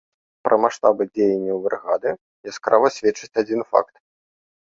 Пра маштабы дзеянняў брыгады яскрава сведчыць адзін факт.